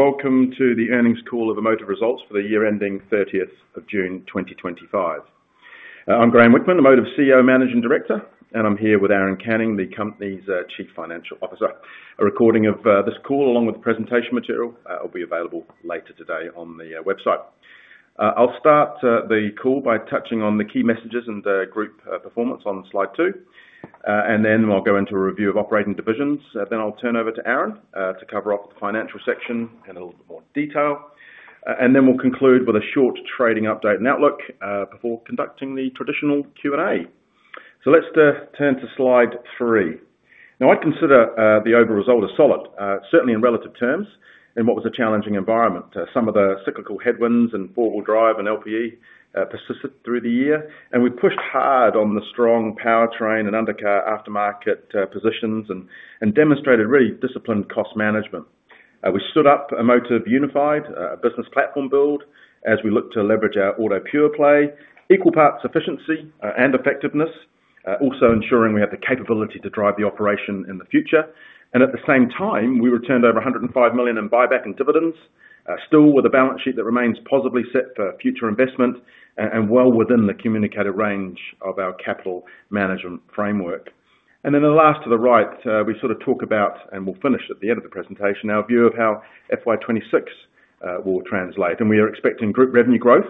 Morning and welcome to the Earnings Call of Amotiv Results for he year ending 30th of June, 2025. I'm Graeme Whickman, Amotiv CEO, Managing Director, and I'm here with Aaron Canning, the company's Chief Financial Officer. A recording of this call, along with the presentation material, will be available later today on the website. I'll start the call by touching on the key messages and group performance on slide two, and then I'll go into a review of operating divisions. I'll turn over to Aaron to cover off the financial section in a little bit more detail, and then we'll conclude with a short trading update and outlook before conducting the traditional Q&A. Let's turn to slide three. I'd consider the overall result as solid, certainly in relative terms, in what was a challenging environment. Some of the cyclical headwinds in four-wheel drive and LP&E persisted through the year, and we pushed hard on the strong Powertrain and undercar aftermarket positions and demonstrated really disciplined cost management. We stood up Amotiv Unified, a business platform build, as we looked to leverage our auto pure play, equal parts efficiency and effectiveness, also ensuring we had the capability to drive the operation in the future. At the same time, we returned over 105 million in buybacks and dividends, still with a balance sheet that remains plausibly set for future investment and well within the communicated range of our capital management framework. The last to the right, we sort of talk about, and we'll finish at the end of the presentation, our view of how FY 2026 will translate. We are expecting group revenue growth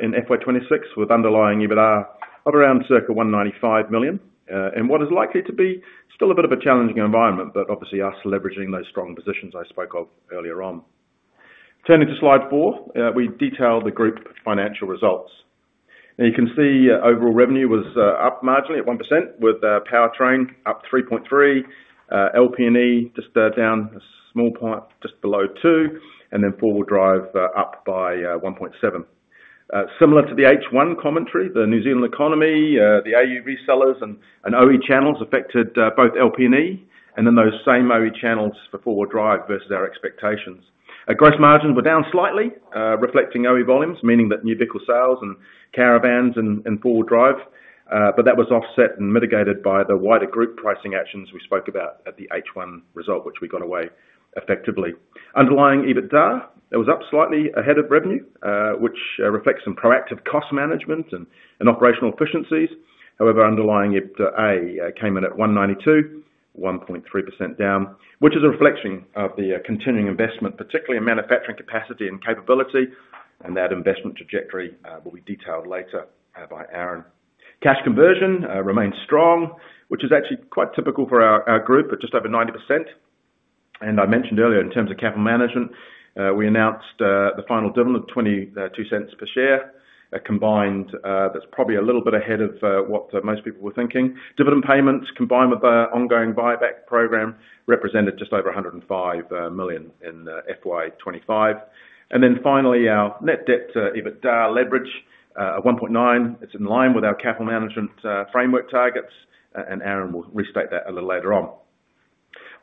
in FY 2026 with underlying EBITDA of around 195 million in what is likely to be still a bit of a challenging environment, but obviously us leveraging those strong positions I spoke of earlier on. Turning to slide four, we detail the group financial results. You can see overall revenue was up marginally at 1%, with Powertrain up 3.3%, LP&E just down a small part, just below 2%, and then 4WD up by 1.7%. Similar to the H1 commentary, the New Zealand economy, the AUV sellers and OE channels affected both LP&E and then those same OE channels for 4WD versus our expectations. Gross margins were down slightly, reflecting OE volumes, meaning that new vehicle sales and caravans in 4WD, but that was offset and mitigated by the wider group pricing actions we spoke about at the H1 result, which we got away effectively. Underlying EBITDA was up slightly ahead of revenue, which reflects some proactive cost management and operational efficiencies. However, underlying EBITDA came in at 192 million, 1.3% down, which is a reflection of the continuing investment, particularly in manufacturing capacity and capability. That investment trajectory will be detailed later by Aaron. Cash conversion remains strong, which is actually quite typical for our group at just over 90%. I mentioned earlier, in terms of capital management, we announced the final dividend of 0.22 per share, a combined that's probably a little bit ahead of what most people were thinking. Dividend payments combined with our ongoing buyback program represented just over 105 million in FY 2025. Finally, our net debt/EBITDA leverage at 1.9% is in line with our capital management framework targets, and Aaron will restate that a little later on.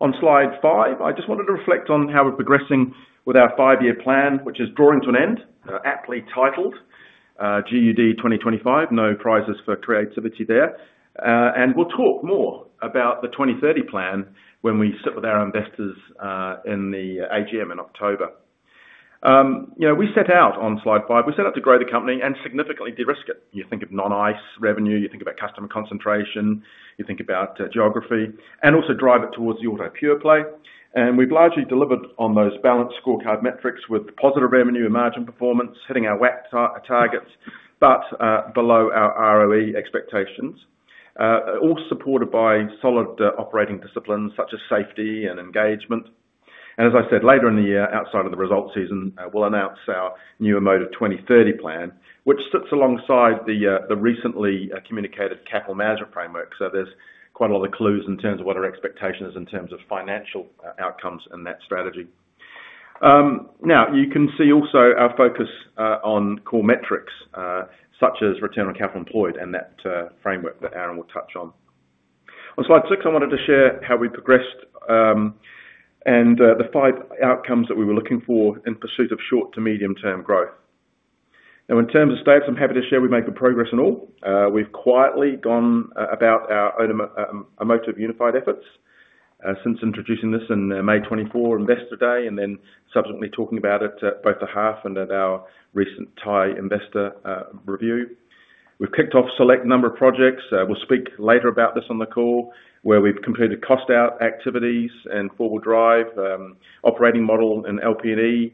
On slide five, I just wanted to reflect on how we're progressing with our five-year plan, which is drawing to an end, aptly titled GUD 2025. No prizes for creativity there. We'll talk more about the 2030 plan when we sit with our investors in the AGM in October. You know, we set out on slide five, we set out to grow the company and significantly de-risk it. You think of non-ICE revenue, you think about customer concentration, you think about geography, and also drive it towards the auto pure play. We've largely delivered on those balanced scorecard metrics with positive revenue and margin performance hitting our WACC targets, but below our ROE expectations, all supported by solid operating disciplines such as safety and engagement. As I said, later in the year, outside of the results season, we'll announce our new Amotiv 2030 plan, which sits alongside the recently communicated capital management framework. There's quite a lot of clues in terms of what our expectation is in terms of financial outcomes in that strategy. Now you can see also our focus on core metrics such as return on capital employed and that framework that Aaron will touch on. On slide six, I wanted to share how we progressed and the five outcomes that we were looking for in pursuit of short to medium-term growth. Now, in terms of status, I'm happy to share we've made good progress in all. We've quietly gone about our own Amotiv Unified efforts since introducing this in May 2024, Investor Day, and then subsequently talking about it at both the half and at our recent Thai investor review. We've kicked off a select number of projects. We'll speak later about this on the call, where we've completed cost out activities in 4WD, operating model in LP&E, and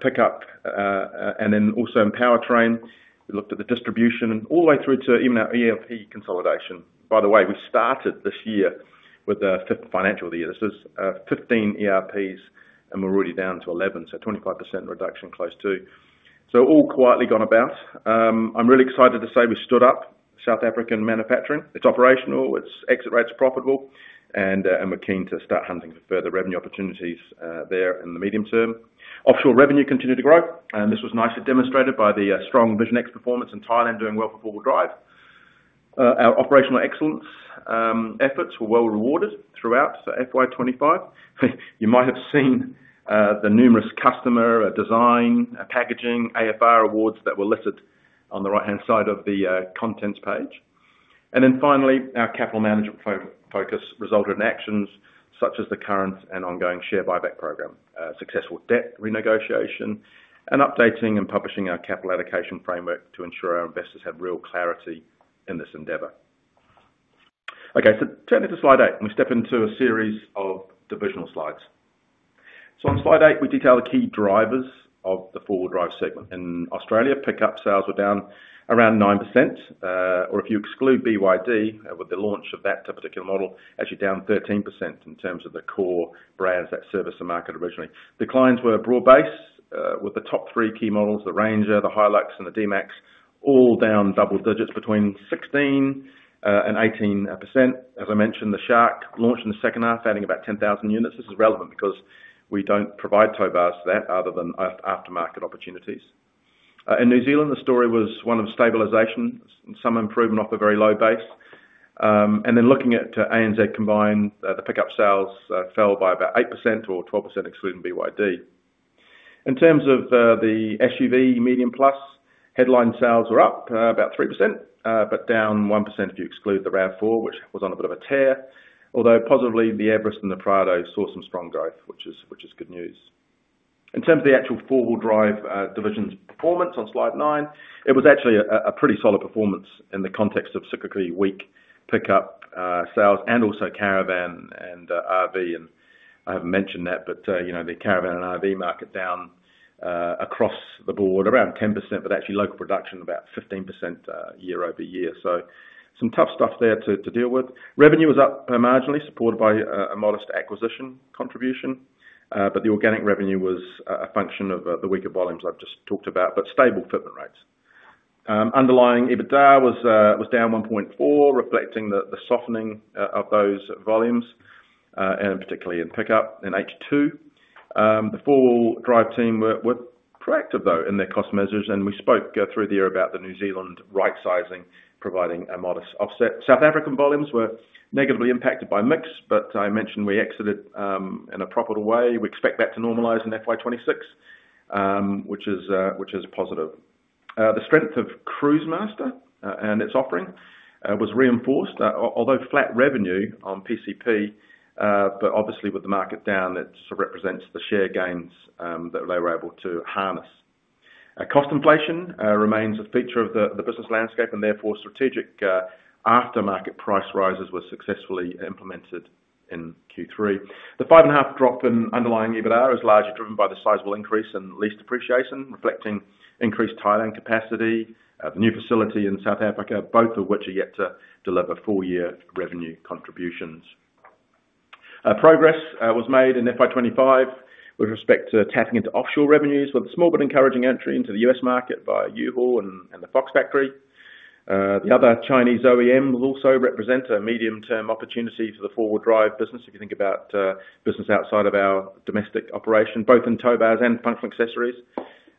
pickup, and then also in Powertrain. We looked at the distribution all the way through to even our ERP consolidation. By the way, we started this year with the fifth financial year. This was 15 ERPs, and we're already down to 11, so 25% reduction, close to. All quietly gone about. I'm really excited to say we stood up South African manufacturing. It's operational, its exit rates are profitable, and we're keen to start hunting for further revenue opportunities there in the medium term. Offshore revenue continued to grow, and this was nicely demonstrated by the strong Vision X performance in Thailand doing well for four-wheel drive. Our operational excellence efforts were well rewarded throughout. FY 2025, you might have seen the numerous customer design, packaging, AFR awards that were listed on the right-hand side of the contents page. Finally, our capital management focus resulted in actions such as the current and ongoing share buyback program, successful debt renegotiation, and updating and publishing our capital allocation framework to ensure our investors had real clarity in this endeavor. Turn it to slide eight. We step into a series of divisional slides. On slide eight, we detail the key drivers of the 4WD segment. In Australia, pickup sales were down around 9%, or if you exclude BYD with the launch of that particular model, actually down 13% in terms of the core brands that service the market originally. The clients were broad-based with the top three key models, the Ranger, the Hilux, and the D-Max, all down double digits between 16% and 18%. As I mentioned, the Shark launched in the second half, adding about 10,000 units. This is relevant because we don't provide towbars to that other than aftermarket opportunities. In New Zealand, the story was one of stabilization, some improvement off a very low base. Looking at ANZ combined, the pickup sales fell by about 8% or 12% excluding BYD. In terms of the SUV M+, headline sales were up about 3%, but down 1% if you exclude the RAV4, which was on a bit of a tear. Although positively, the Everest and the Prado saw some strong growth, which is good news. In terms of the actual 4WD division's performance on slide nine, it was actually a pretty solid performance in the context of cyclically weak pickup sales and also caravan and RV. I haven't mentioned that, but you know the caravan and RV market down across the board around 10%, but actually local production about 15% year-over-year. Some tough stuff there to deal with. Revenue was up marginally, supported by a modest acquisition contribution, but the organic revenue was a function of the weaker volumes I've just talked about, but stable fitment rates. Underlying EBITDA was down 1.4%, reflecting the softening of those volumes, and particularly in pickup in H2. The 4WD team were proactive though in their cost measures, and we spoke through the year about the New Zealand right sizing, providing a modest offset. South African volumes were negatively impacted by mix, but I mentioned we exited in a profitable way. We expect that to normalise in FY 2026, which is positive. The strength of Cruisemaster and its offering was reinforced, although flat revenue on PCP, but obviously with the market down, it represents the share gains that they were able to harness. Cost inflation remains a feature of the business landscape, and therefore strategic aftermarket price rises were successfully implemented in Q3. The 5.5% drop in underlying EBITDA is largely driven by the sizable increase in lease depreciation, reflecting increased Thailand capacity, the new facility in South Africa, both of which are yet to deliver four-year revenue contributions. Progress was made in FY 2025 with respect to tapping into offshore revenues, with a small but encouraging entry into the U.S. market by U-Haul and the Fox Factory. The other Chinese OEM will also represent a medium-term opportunity for the 4WD business if you think about business outside of our domestic operation, both in towbars and functional accessories,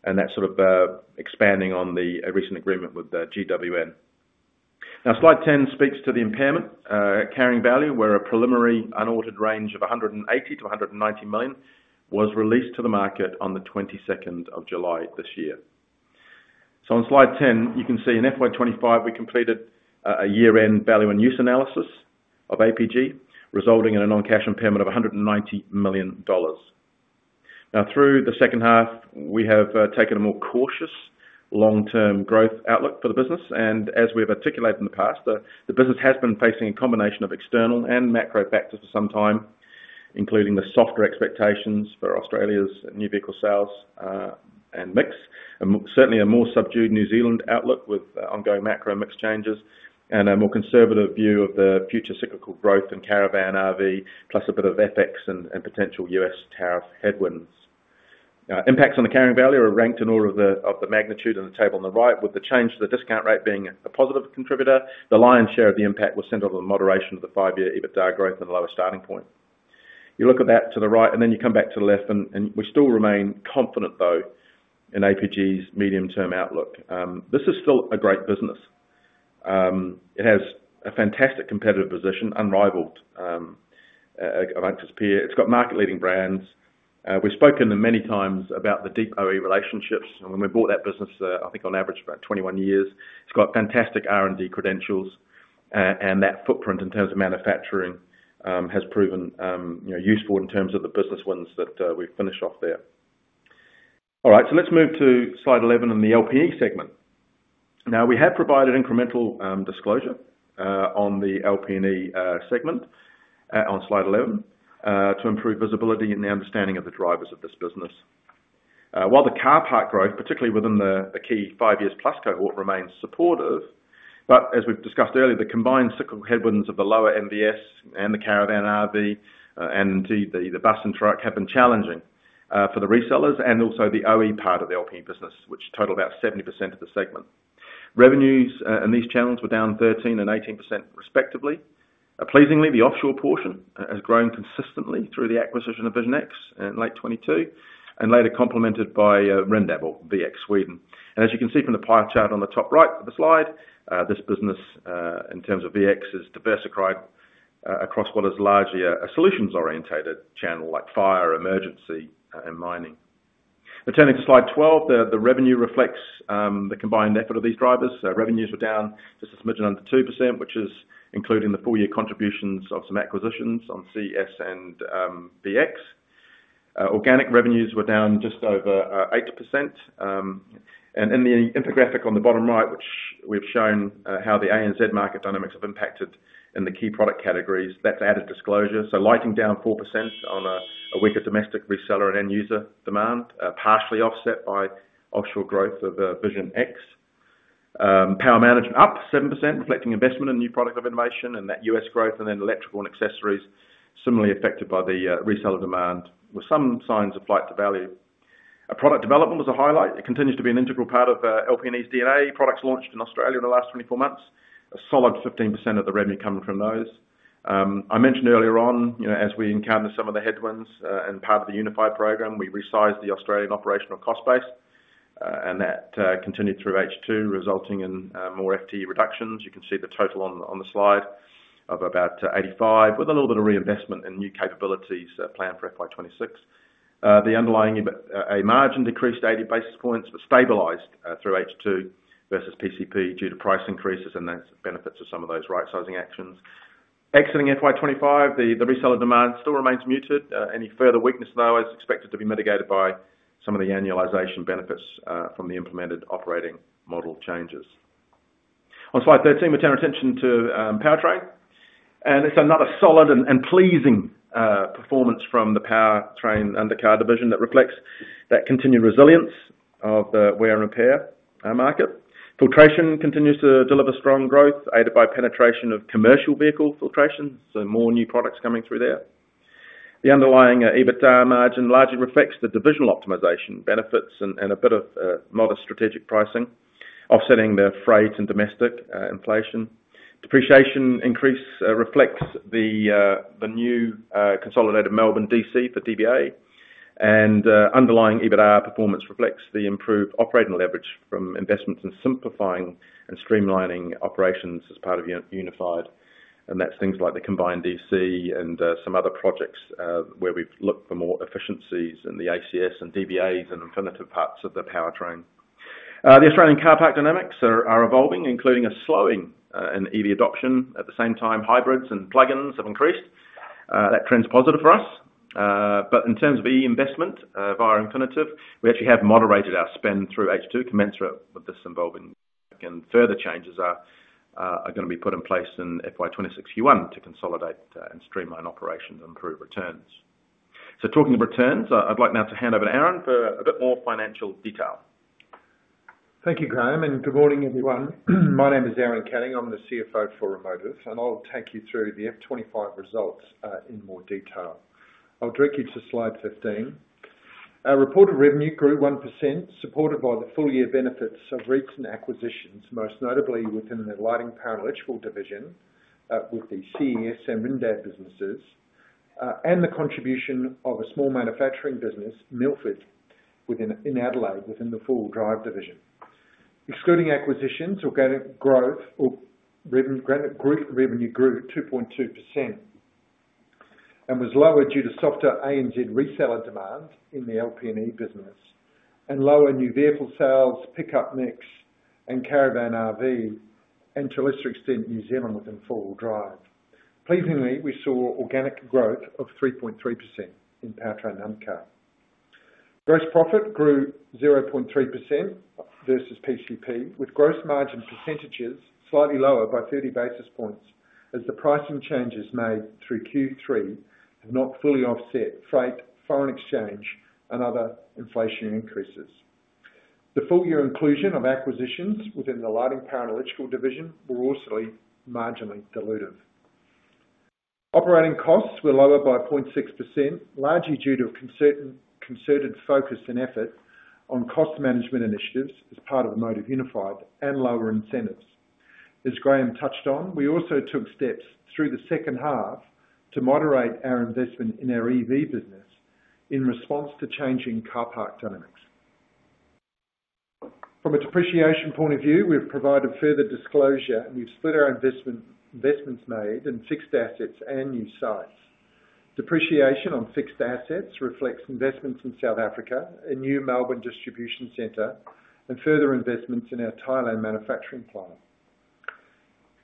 and that's sort of expanding on the recent agreement with GWM. Now, slide 10 speaks to the impairment carrying value, where a preliminary unaudited range of 180 million-190 million was released to the market on the 22nd of July this year. On slide 10, you can see in FY 2025, we completed a year-end value and use analysis of APG, resulting in a non-cash impairment of 190 million dollars. Through the second half, we have taken a more cautious long-term growth outlook for the business, and as we have articulated in the past, the business has been facing a combination of external and macro factors for some time, including the softer expectations for Australia's new vehicle sales and mix, and certainly a more subdued New Zealand outlook with ongoing macro and mix changes, and a more conservative view of the future cyclical growth in caravan, RV, plus a bit of FX and potential U.S. tariff headwinds. Impacts on the carrying value are ranked in order of the magnitude on the table on the right, with the change to the discount rate being a positive contributor. The lion's share of the impact was centered on the moderation of the five-year EBITDA growth and the lower starting point. You look at that to the right, and then you come back to the left, and we still remain confident though in APG's medium-term outlook. This is still a great business. It has a fantastic competitive position, unrivaled amongst its peers. It's got market-leading brands. We've spoken many times about the deep OE relationships, and when we bought that business, I think on average for about 21 years, it's got fantastic R&D credentials, and that footprint in terms of manufacturing has proven useful in terms of the business wins that we've finished off there. All right, let's move to slide 11 in the LPE segment. We have provided incremental disclosure on the LP&E segment on slide 11 to improve visibility and the understanding of the drivers of this business. While the car part growth, particularly within the key five years plus cohort, remains supportive, as we've discussed earlier, the combined cyclical headwinds of the lower NVS and the caravan/RV, and indeed the bus and truck have been challenging for the resellers and also the OE part of the LP&E business, which total about 70% of the segment. Revenues in these channels were down 13% and 18% respectively. Pleasingly, the offshore portion has grown consistently through the acquisition of Vision X in late 2022 and later complemented by Rindab AB, VX Sweden. As you can see from the pie chart on the top right for the slide, this business in terms of VX is diversified across what is largely a solutions-oriented channel like fire, emergency, and mining. Returning to slide 12, the revenue reflects the combined effort of these drivers. Revenues were down just a smidgen under 2%, which is including the full-year contributions of some acquisitions on CS and VX. Organic revenues were down just over 8%. In the infographic on the bottom right, we've shown how the ANZ market dynamics have impacted the key product categories, that's added disclosure. Lighting down 4% on a weaker domestic reseller and end-user demand, partially offset by offshore growth of Vision X. Power management up 7%, reflecting investment in new products of innovation and that U.S. growth, and then electrical and accessories similarly affected by the reseller demand with some signs of flight to value. Product development was a highlight. It continues to be an integral part of LP&E's DNA. Products launched in Australia in the last 24 months, a solid 15% of the revenue coming from those. I mentioned earlier on, as we encountered some of the headwinds and part of the Unified program, we resized the Australian operational cost base, and that continued through H2, resulting in more FTE reductions. You can see the total on the slide of about 85 basis points, with a little bit of reinvestment in new capabilities planned for FY 2026. The underlying EBITDA margin decreased 80 basis points, but stabilized through H2 versus PCP due to price increases and the benefits of some of those right-sizing actions. Exiting FY 2025, the reseller demand still remains muted. Any further weakness though is expected to be mitigated by some of the annualization benefits from the implemented operating model changes. On slide 13, we turn our attention to Powertrain, and it's another solid and pleasing performance from the Powertrain Undercar division that reflects that continued resilience of the wear-and-repair market. Filtration continues to deliver strong growth, aided by penetration of commercial vehicle filtration, so more new products coming through there. The underlying EBITDA margin largely reflects the divisional optimization benefits and a bit of modest strategic pricing, offsetting the freight and domestic inflation. Depreciation increase reflects the new consolidated Melbourne DC for DBA, and underlying EBITDA performance reflects the improved operating leverage from investments in simplifying and streamlining operations as part of Amotiv Unified, and that's things like the combined DC and some other projects where we've looked for more efficiencies in the ACS and DBAs and infinitive parts of the Powertrain. The Australian carpark dynamics are evolving, including a slowing in EV adoption. At the same time, hybrids and plug-ins have increased. That trend's positive for us, but in terms of EV investment via Infinitive, we actually have moderated our spend through H2, commensurate with this evolving. Again, further changes are going to be put in place in FY 2026 Q1 to consolidate and streamline operations and improve returns. Talking of returns, I'd like now to hand over to Aaron for a bit more financial detail. Thank you, Graeme, and good morning everyone. My name is Aaron Canning. I'm the CFO for Amotiv, and I'll take you through the FY 2025 results in more detail. I'll direct you to slide 15. Our reported revenue grew 1%, supported by the full-year benefits of recent acquisitions, most notably within the LP&E division with the CES and Rindab businesses, and the contribution of a small manufacturing business, Milford, in Adelaide within the 4WD division. Excluding acquisitions, organic group revenue grew 2.2% and was lower due to softer ANZ reseller demand in the LP&E business, and lower new vehicle sales, pickup mix, and caravan RV, and to a lesser extent New Zealand within 4WD. Pleasingly, we saw organic growth of 3.3% in Powertrain Undercar. Gross profit grew 0.3% versus PCP, with gross margin percentages slightly lower by 30 basis points as the pricing changes made through Q3 have not fully offset freight, foreign exchange, and other inflationary increases. The full-year inclusion of acquisitions within the LP&E division will also be marginally dilutive. Operating costs were lower by 0.6%, largely due to a concerted focus and effort on cost management initiatives as part of Amotiv Unified and lower incentives. As Graeme touched on, we also took steps through the second half to moderate our investment in our EV business in response to changing carpark dynamics. From a depreciation point of view, we've provided further disclosure and we've split our investments made in fixed assets and new sites. Depreciation on fixed assets reflects investments in South Africa, a new Melbourne distribution center, and further investments in our Thailand manufacturing plant.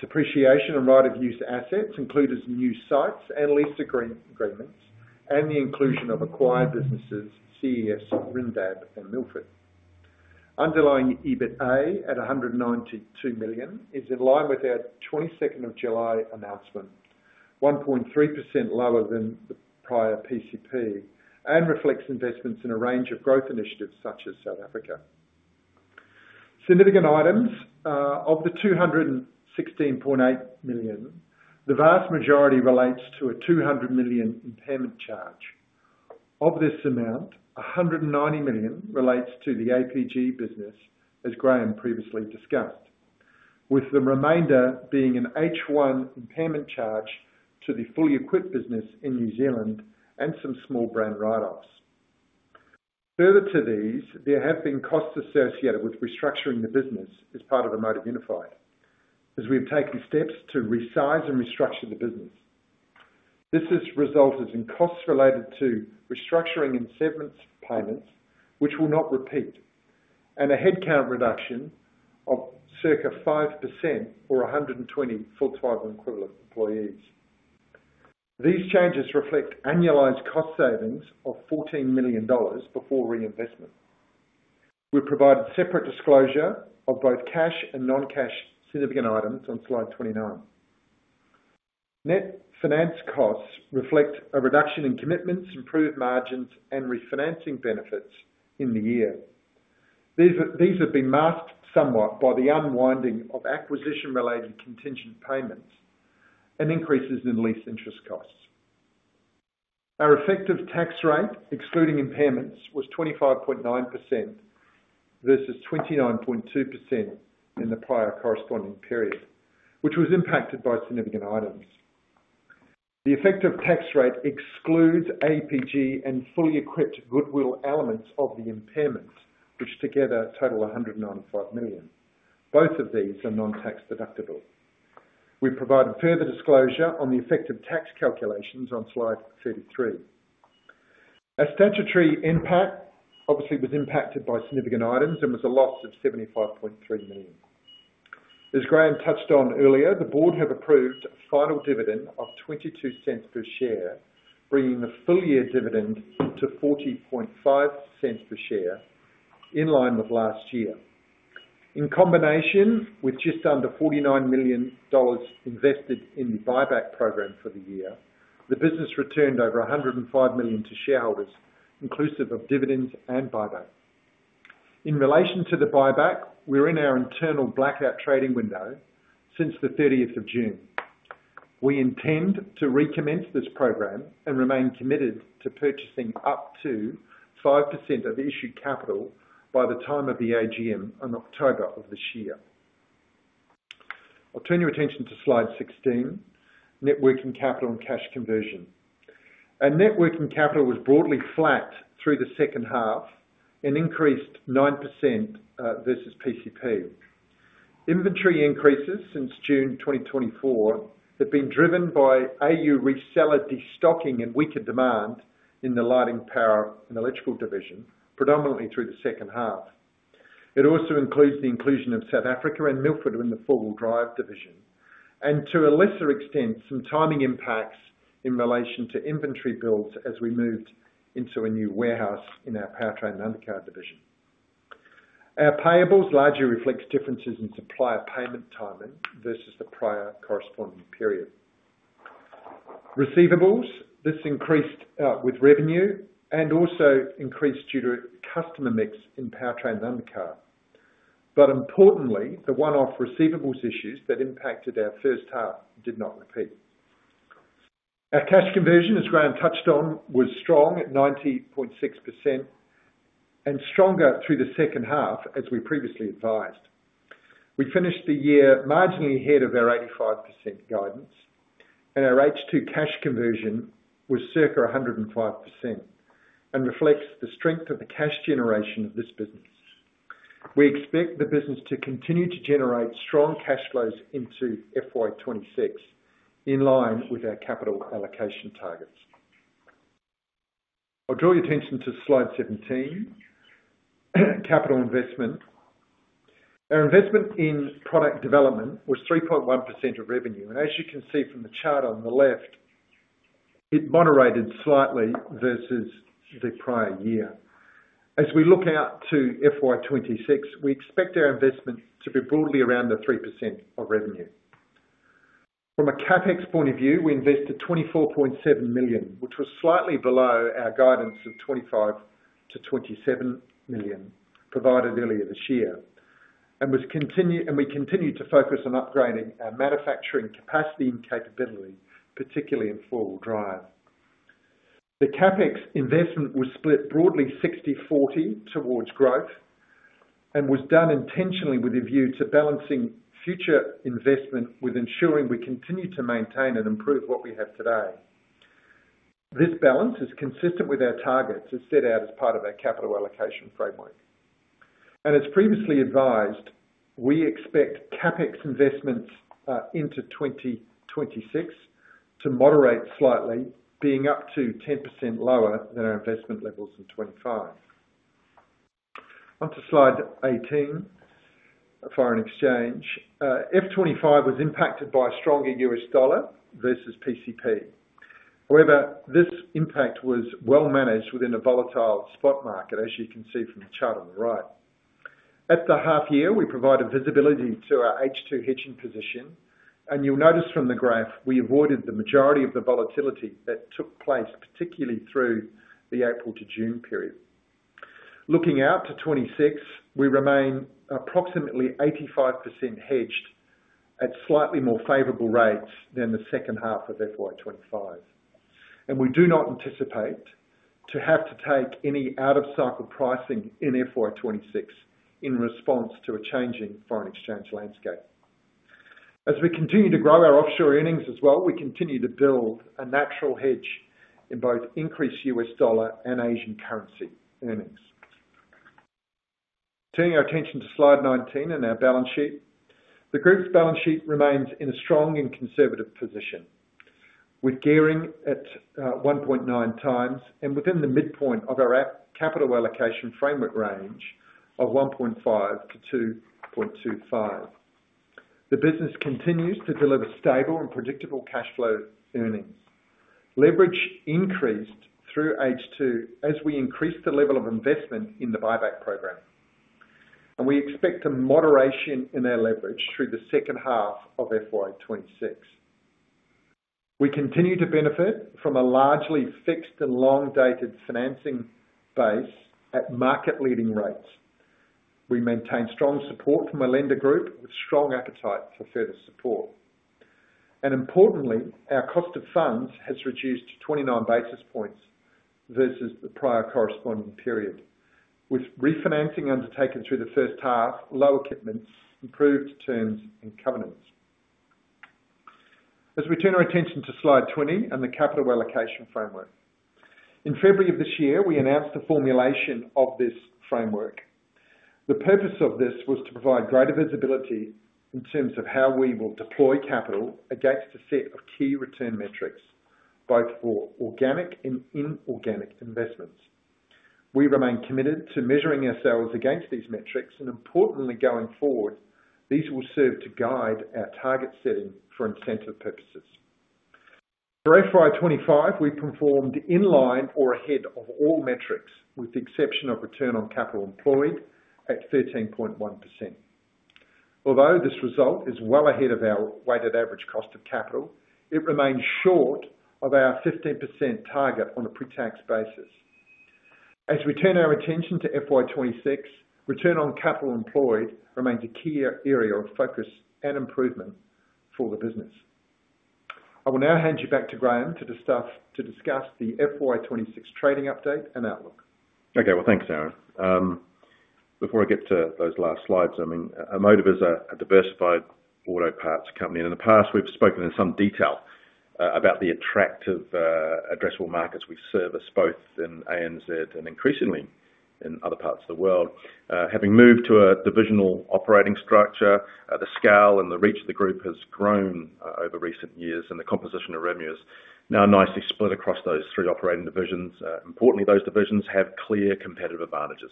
Depreciation on right-of-use assets includes new sites and lease agreements and the inclusion of acquired businesses, CES, Rindab, and Milford. Underlying EBITDA at 192 million is in line with our 22nd of July announcement, 1.3% lower than the prior PCP, and reflects investments in a range of growth initiatives such as South Africa. Significant items of 216.8 million, the vast majority relates to a 200 million impairment charge. Of this amount, 190 million relates to the APG business, as Graeme previously discussed, with the remainder being an H1 impairment charge to the fully equipped business in New Zealand and some small brand write-offs. Further to these, there have been costs associated with restructuring the business as part of Amotiv Unified, as we've taken steps to resize and restructure the business. This has resulted in costs related to restructuring and severance payments, which will not repeat, and a headcount reduction of circa 5% for 120 full-time equivalent employees. These changes reflect annualized cost savings of 14 million dollars before reinvestment. We've provided separate disclosure of both cash and non-cash significant items on slide 29. Net finance costs reflect a reduction in commitments, improved margins, and refinancing benefits in the year. These have been masked somewhat by the unwinding of acquisition-related contingent payments and increases in lease interest costs. Our effective tax rate, excluding impairments, was 25.9% versus 29.2% in the prior corresponding period, which was impacted by significant items. The effective tax rate excludes APG and fully equipped goodwill elements of the impairments, which together total 195 million. Both of these are non-tax deductible. We've provided further disclosure on the effective tax calculations on slide 33. Our statutory impact obviously was impacted by significant items and was a loss of 75.3 million. As Graeme touched on earlier, the Board has approved a final dividend of 0.22 per share, bringing the full-year dividend to 0.405 per share in line with last year. In combination with just under 49 million dollars invested in the buyback program for the year, the business returned over 105 million to shareholders, inclusive of dividends and buyback. In relation to the buyback, we're in our internal blackout trading window since 30th of June. We intend to recommence this program and remain committed to purchasing up to 5% of the issued capital by the time of the AGM in October of this year. I'll turn your attention to slide 16, networking capital and cash conversion. Our networking capital was broadly flat through the second half and increased 9% versus PCP. Inventory increases since June 2024 have been driven by AU reseller destocking and weaker demand in the LP&E division, predominantly through the second half. It also includes the inclusion of South Africa and Milford in the 4WD division, and to a lesser extent, some timing impacts in relation to inventory builds as we moved into a new warehouse in our Powertrain Undercar division. Our payables largely reflect differences in supplier payment timing versus the prior corresponding period. Receivables, this increased with revenue and also increased due to customer mix in Powertrain Undercar. Importantly, the one-off receivables issues that impacted our first half did not repeat. Our cash conversion, as Graeme touched on, was strong at 90.6% and stronger through the second half as we previously advised. We finished the year marginally ahead of our 85% guidance, and our H2 cash conversion was circa 105% and reflects the strength of the cash generation of this business. We expect the business to continue to generate strong cash flows into FY 2026 in line with our capital allocation targets. I'll draw your attention to slide 17, capital investment. Our investment in product development was 3.1% of revenue, and as you can see from the chart on the left, it moderated slightly versus the prior year. As we look out to FY 2026, we expect our investment to be broadly around the 3% of revenue. From a CapEx point of view, we invested 24.7 million, which was slightly below our guidance of 25 million-27 million provided earlier this year, and we continue to focus on upgrading our manufacturing capacity and capability, particularly in 4WD. The CapEx investment was split broadly 60/40 towards growth and was done intentionally with a view to balancing future investment with ensuring we continue to maintain and improve what we have today. This balance is consistent with our targets as set out as part of our capital allocation framework. As previously advised, we expect CapEx investments into 2026 to moderate slightly, being up to 10% lower than our investment levels in 2025. Onto slide 18, foreign exchange, FY 2025 was impacted by a stronger U.S. dollar versus PCP. However, this impact was well managed within a volatile spot market, as you can see from the chart on the right. After half a year, we provided visibility to our H2 hedging position, and you'll notice from the graph we avoided the majority of the volatility that took place, particularly through the April to June period. Looking out to 2026, we remain approximately 85% hedged at slightly more favorable rates than the second half of FY 2025. We do not anticipate to have to take any out-of-cycle pricing in FY 2026 in response to a changing foreign exchange landscape. As we continue to grow our offshore earnings as well, we continue to build a natural hedge in both increased U.S. dollar and Asian currency earnings. Turning our attention to slide 19 and our balance sheet, the group's balance sheet remains in a strong and conservative position, with gearing at 1.9x and within the midpoint of our capital allocation framework range of 1.5x-2.25x. The business continues to deliver stable and predictable cash flow earnings. Leverage increased through H2 as we increased the level of investment in the buyback program. We expect a moderation in our leverage through the second half of FY 2026. We continue to benefit from a largely fixed and long-dated financing base at market-leading rates. We maintain strong support from a lender group with strong appetite for further support. Importantly, our cost of funds has reduced to 29 basis points versus the prior corresponding period, with refinancing undertaken through the first half, low equipment, improved terms, and covenants. As we turn our attention to slide 20 and the capital allocation framework, in February of this year, we announced the formulation of this framework. The purpose of this was to provide greater visibility in terms of how we will deploy capital against a set of key return metrics, both for organic and inorganic investments. We remain committed to measuring ourselves against these metrics, and importantly, going forward, these will serve to guide our target setting for incentive purposes. For FY 2025, we performed in line or ahead of all metrics, with the exception of return on capital employed at 13.1%. Although this result is well ahead of our weighted average cost of capital, it remains short of our 15% target on a pre-tax basis. As we turn our attention to FY 2026, return on capital employed remains a key area of focus and improvement for the business. I will now hand you back to Graeme to discuss the FY 2026 trading update and outlook. Okay, thanks Aaron. Before I get to those last slides, Amotiv is a diversified auto parts company. In the past, we've spoken in some detail about the attractive addressable markets we service both in ANZ and increasingly in other parts of the world. Having moved to a divisional operating structure, the scale and the reach of the group has grown over recent years, and the composition of revenue is now nicely split across those three operating divisions. Importantly, those divisions have clear competitive advantages.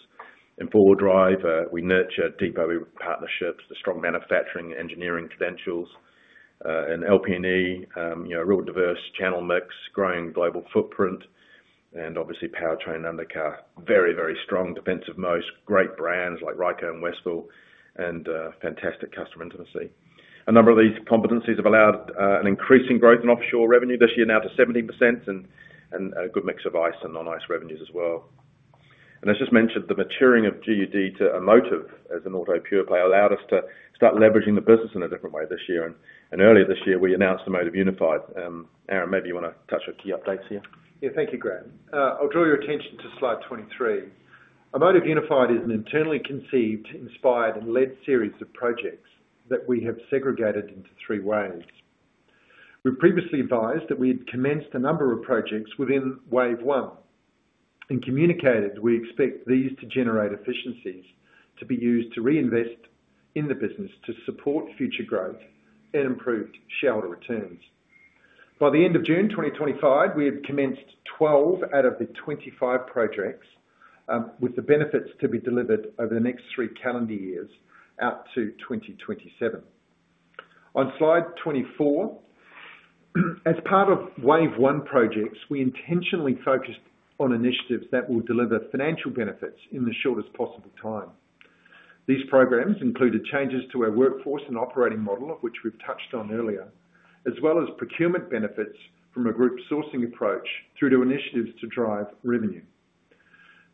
In 4WD, we nurture deeper partnerships, the strong manufacturing engineering credentials, and LP&E, you know, a real diverse channel mix, growing global footprint, and obviously Powertrain Undercar, very, very strong defensive moats, great brands like Ryco and Westville, and fantastic customer intimacy. A number of these competencies have allowed an increase in growth in offshore revenue this year now to 17% and a good mix of ICE and non-ICE revenues as well. As just mentioned, the maturing of GUD to Amotiv as an auto pure play allowed us to start leveraging the business in a different way this year. Earlier this year, we announced Amotiv Unified. Aaron, maybe you want to touch on key updates here? Yeah, thank you Graeme. I'll draw your attention to slide 23. Amotiv Unified is an internally conceived, inspired, and led series of projects that we have segregated into three waves. We've previously advised that we had commenced a number of projects within Wave 1 and communicated we expect these to generate efficiencies to be used to reinvest in the business to support future growth and improved shareholder returns. By the end of June 2025, we had commenced 12 out of the 25 projects, with the benefits to be delivered over the next three calendar years out to 2027. On slide 24, as part of Wave 1 projects, we intentionally focused on initiatives that will deliver financial benefits in the shortest possible time. These programs included changes to our workforce and operating model, which we've touched on earlier, as well as procurement benefits from a group sourcing approach through to initiatives to drive revenue.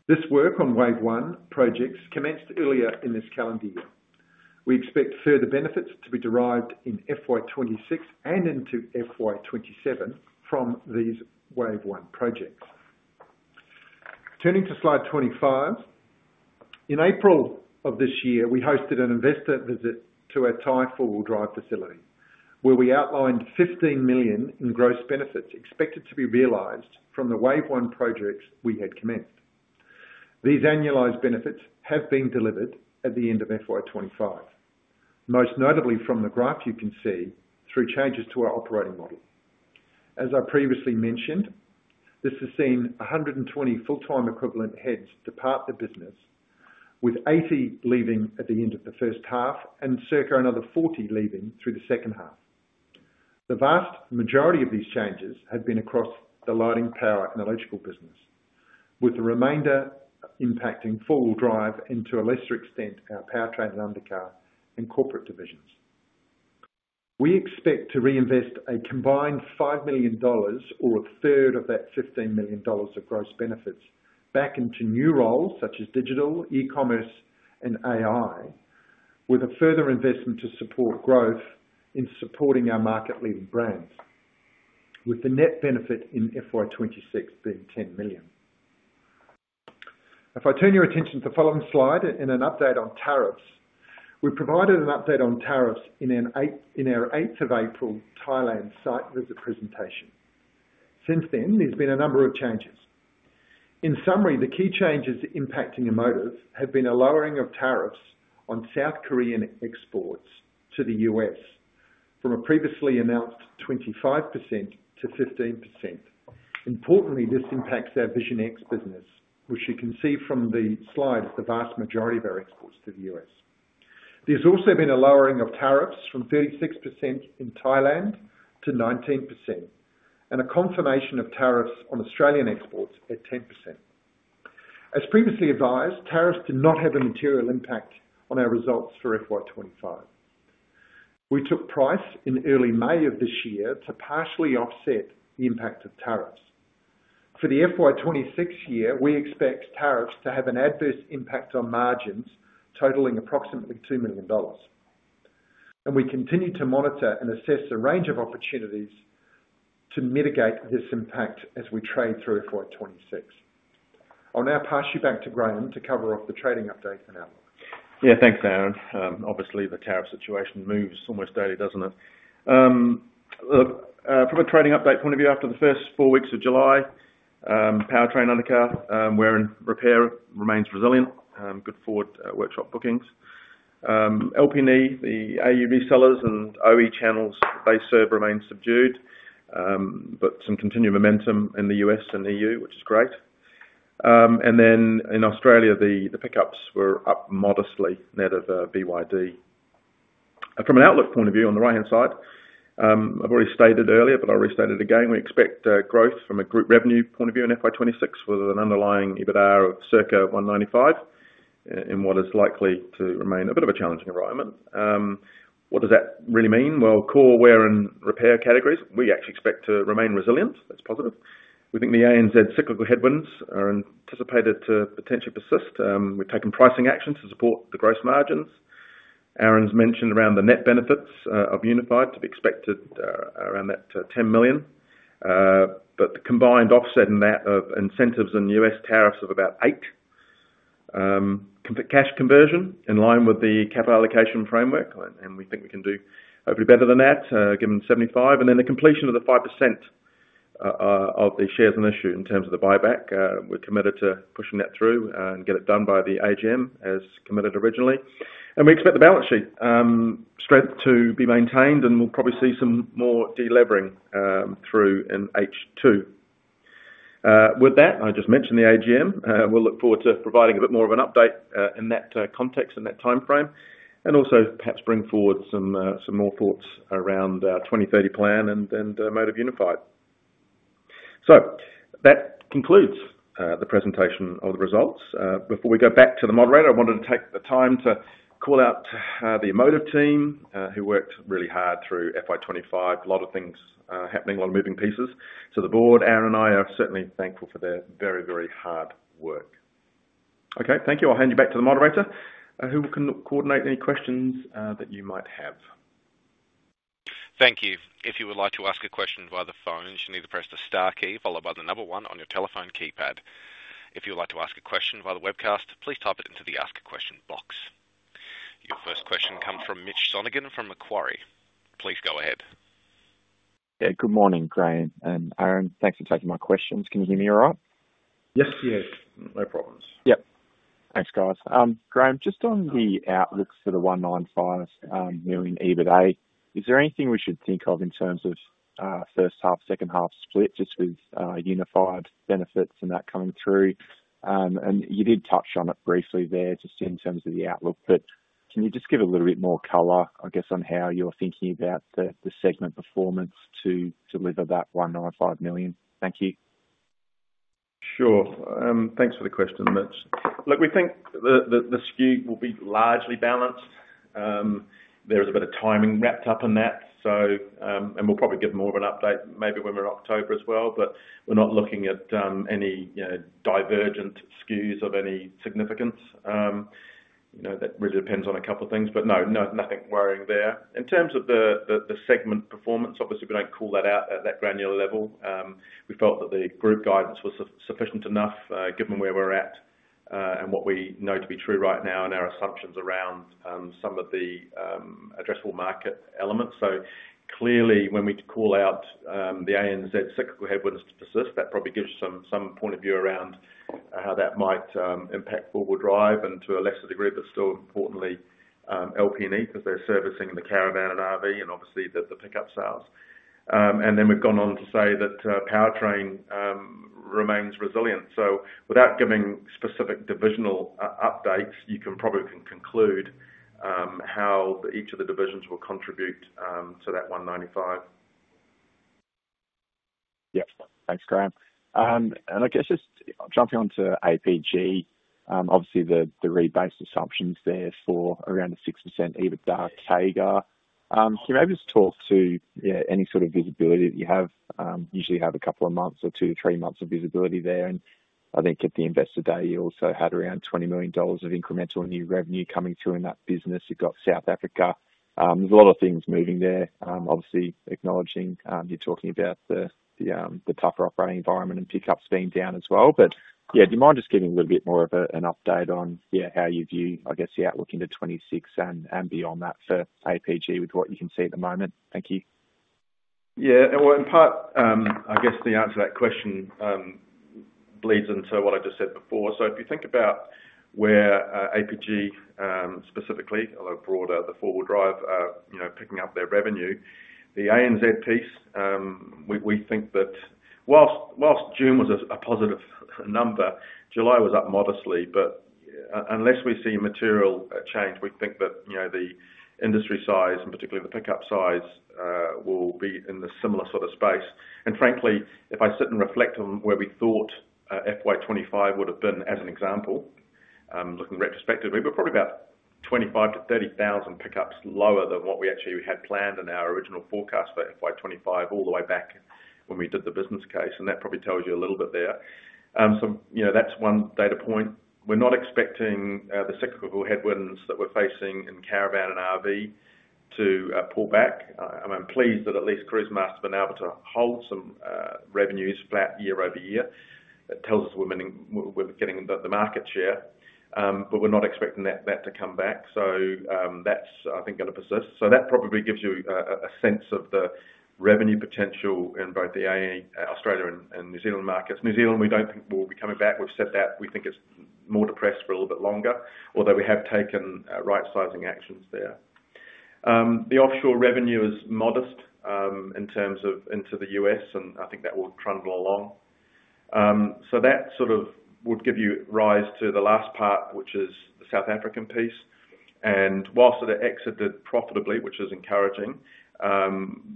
This work on Wave 1 projects commenced earlier in this calendar year. We expect further benefits to be derived in FY 2026 and into FY27 from these Wave 1 projects. Turning to slide 25, in April of this year, we hosted an investor visit to our Thai 4WD facility, where we outlined 15 million in gross benefits expected to be realized from the Wave 1 projects we had commenced. These annualized benefits have been delivered at the end of FY 2025, most notably from the graph you can see through changes to our operating model. As I previously mentioned, this has seen 120 full-time equivalent heads depart the business, with 80 leaving at the end of the first half and circa another 40 leaving through the second half. The vast majority of these changes had been across the LP&E business, with the remainder impacting 4WD and to a lesser extent our Powertrain and Undercar and corporate divisions. We expect to reinvest a combined 5 million dollars or 1/3 of that 15 million dollars of gross benefits back into new roles such as digital, e-commerce, and AI, with a further investment to support growth in supporting our market-leading brands, with the net benefit in FY 2026 being 10 million. If I turn your attention to the following slide and an update on tariffs, we provided an update on tariffs in our 8th of April Thailand site visit presentation. Since then, there's been a number of changes. In summary, the key changes impacting Amotiv have been a lowering of tariffs on South Korean exports to the U.S. from a previously announced 25% to 15%. Importantly, this impacts our Vision X business, which you can see from the slide as the vast majority of our exports to the U.S. There's also been a lowering of tariffs from 36% in Thailand to 19% and a confirmation of tariffs on Australian exports at 10%. As previously advised, tariffs do not have a material impact on our results for FY 2025. We took price in early May of this year to partially offset the impact of tariffs. For the FY 2026 year, we expect tariffs to have an adverse impact on margins totaling approximately 2 million dollars. We continue to monitor and assess a range of opportunities to mitigate this impact as we trade through FY 2026. I'll now pass you back to Graeme to cover off the trading update and outlook. Yeah, thanks Aaron. Obviously, the tariff situation moves almost daily, doesn't it? Look, from a trading update point of view, after the first four weeks of July, Powertrain Undercar wear and repair remains resilient, good Ford workshop bookings. LP&E, the AUV sellers and OE channels they serve remain subdued, but some continued momentum in the U.S. and EU, which is great. In Australia, the pickups were up modestly net of BYD. From an outlook point of view on the right-hand side, I've already stated earlier, but I'll restate it again, we expect growth from a group revenue point of view in FY 2026 with an underlying EBITDA of circa 195 million in what is likely to remain a bit of a challenging environment. What does that really mean? Core wear and repair categories, we actually expect to remain resilient. That's positive. We think the ANZ cyclical headwinds are anticipated to potentially persist. We've taken pricing actions to support the gross margins. Aaron's mentioned around the net benefits of Unified to be expected around that 10 million, but the combined offset in that of incentives and U.S. tariffs of about 8 million. Cash conversion in line with the capital allocation framework, and we think we can do hopefully better than that given 75%. The completion of the 5% of the shares in issue in terms of the buyback, we're committed to pushing that through and get it done by the AGM as committed originally. We expect the balance sheet strength to be maintained, and we'll probably see some more deleveraging through in H2. With that, I just mentioned the AGM. We'll look forward to providing a bit more of an update in that context and that timeframe, and also perhaps bring forward some more thoughts around our 2030 plan and Amotiv Unified. That concludes the presentation of the results. Before we go back to the moderator, I wanted to take the time to call out the Amotiv team who worked really hard through FY 2025. A lot of things happening, a lot of moving pieces. The board, Aaron and I are certainly thankful for their very, very hard work. Okay, thank you. I'll hand you back to the moderator who will coordinate any questions that you might have. Thank you. If you would like to ask a question via the phone, you need to press the star key followed by the number one on your telephone keypad. If you would like to ask a question via the webcast, please type it into the ask-a-question box. Your first question comes from Mitch Sonogan from Macquarie. Please go ahead. Good morning, Graeme and Aaron. Thanks for taking my questions. Can you hear me alright? Yes, yes, no problems. Yep, thanks guys. Graeme, just on the outlooks for the 195 million EBITDA, is there anything we should think of in terms of first half, second half split, just with Unified benefits and that coming through? You did touch on it briefly there just in terms of the outlook, but can you just give a little bit more color, I guess, on how you're thinking about the segment performance to deliver that 195 million? Thank you. Sure, thanks for the question. Look, we think the skew will be largely balanced. There is a bit of timing wrapped up in that, and we'll probably give more of an update maybe when we're in October as well, but we're not looking at any, you know, divergent skews of any significance. That really depends on a couple of things, but no, nothing worrying there. In terms of the segment performance, obviously we don't call that out at that granular level. We felt that the group guidance was sufficient enough given where we're at and what we know to be true right now in our assumptions around some of the addressable market elements. Clearly, when we call out the ANZ cyclical headwinds to persist, that probably gives some point of view around how that might impact four-wheel drive and to a lesser degree, but still importantly, LP&E because they're servicing the caravan and RV and obviously the pickup sales. We've gone on to say that Powertrain remains resilient. Without giving specific divisional updates, you can probably conclude how each of the divisions will contribute to that 195 million. Yep, thanks Graeme. I guess just jumping onto APG, obviously the rebased assumptions there for around a 6% EBITDA CAGR. Can you maybe just talk to any sort of visibility that you have? Usually you have a couple of months or two to three months of visibility there, and I think at the investor day you also had around 20 million dollars of incremental new revenue coming through in that business. You've got South Africa. There's a lot of things moving there. Obviously acknowledging you're talking about the tougher operating environment and pickups being down as well, but yeah, do you mind just giving a little bit more of an update on how you view, I guess, the outlook into 2026 and beyond that for APG with what you can see at the moment? Thank you. In part, I guess the answer to that question bleeds into what I just said before. If you think about where APG specifically, although broader, the 4WD, picking up their revenue, the ANZ piece, we think that whilst June was a positive number, July was up modestly. Unless we see a material change, we think that the industry size and particularly the pickup size will be in a similar sort of space. Frankly, if I sit and reflect on where we thought FY 2025 would have been as an example, looking retrospectively, we're probably about 25,000-30,000 pickups lower than what we actually had planned in our original forecast for FY 2025 all the way back when we did the business case, and that probably tells you a little bit there. That's one data point. We're not expecting the cyclical headwinds that we're facing in caravan and RV to pull back. I'm pleased that at least Cruisemaster has been able to hold some revenues flat year-over-year. It tells us we're getting the market share, but we're not expecting that to come back. I think that's going to persist. That probably gives you a sense of the revenue potential in both the Australia and New Zealand markets. New Zealand, we don't think will be coming back. We've said that we think it's more depressed for a little bit longer, although we have taken right-sizing actions there. The offshore revenue is modest in terms of into the U.S., and I think that will trundle along. That would give you rise to the last part, which is the South African piece. Whilst it exited profitably, which is encouraging,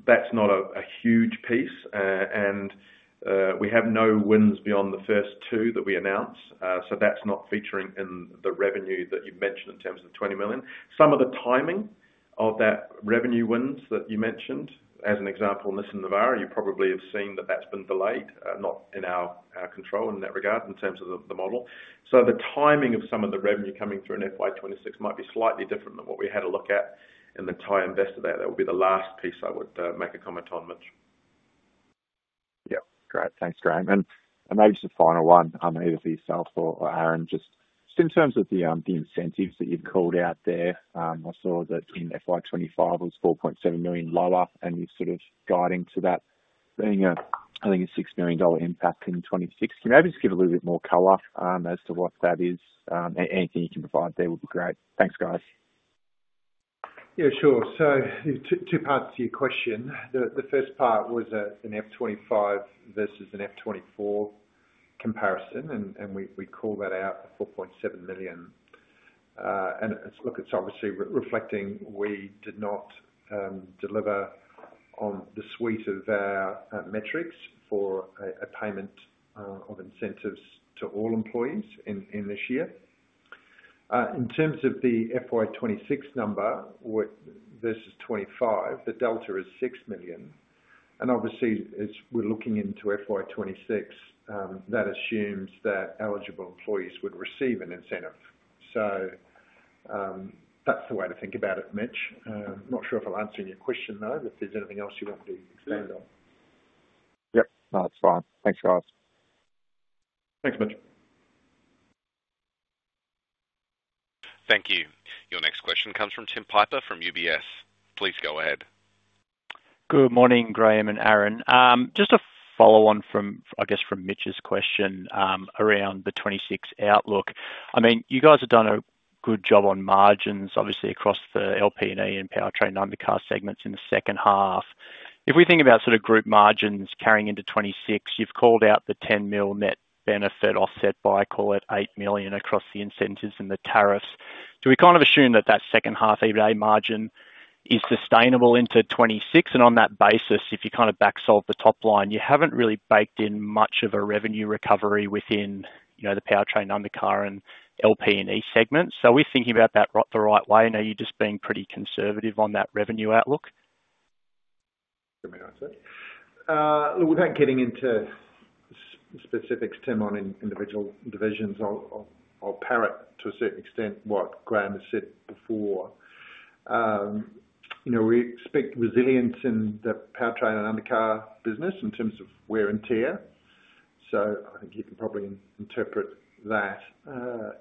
that's not a huge piece, and we have no wins beyond the first two that we announce. That's not featuring in the revenue that you mentioned in terms of the 20 million. Some of the timing of that revenue wins that you mentioned, as an example, in this in Navara, you probably have seen that that's been delayed, not in our control in that regard in terms of the model. The timing of some of the revenue coming through in FY 2026 might be slightly different than what we had a look at in the Thai investor there. That would be the last piece I would make a comment on. Great, thanks Graeme. Maybe just a final one, either for yourself or Aaron, just in terms of the incentives that you've called out there. I saw that in FY 2025 it was 4.7 million lower, and you're sort of guiding to that being a, I think, a 6 million dollar impact in 2026. Can you maybe just give a little bit more color as to what that is? Anything you can provide there would be great. Thanks guys. Yeah, sure. Two parts to your question. The first part was an FY 2025 versus an FY 2024 comparison, and we'd call that out at 4.7 million. It's obviously reflecting we did not deliver on the suite of our metrics for a payment of incentives to all employees in this year. In terms of the FY 2026 number versus 2025, the delta is 6 million. Obviously, as we're looking into FY 2026, that assumes that eligible employees would receive an incentive. That's the way to think about it, Mitch. I'm not sure if I'll answer any question though, but if there's anything else you want me to expand on. Yep, no, that's fine. Thanks, guys. Thanks Mitch. Thank you. Your next question comes from Tim Piper from UBS. Please go ahead. Good morning Graeme and Aaron. Just a follow-on from Mitch's question around the 2026 outlook. You guys have done a good job on margins, obviously, across the LP&E and Powertrain Undercar segments in the second half. If we think about sort of group margins carrying into 2026, you've called out the 10 million net benefit offset by, call it, 8 million across the incentives and the tariffs. Do we kind of assume that that second half EBITDA margin is sustainable into 2026? On that basis, if you kind of backsold the top line, you haven't really baked in much of a revenue recovery within the Powertrain Undercar and LP&E segments. Are we thinking about that the right way? Are you just being pretty conservative on that revenue outlook? Let me answer it. Look, without getting into specifics, Tim, on individual divisions, I'll parrot to a certain extent what Graeme has said before. You know, we expect resilience in the Powertrain Undercar business in terms of wear and tear. I think you can probably interpret that.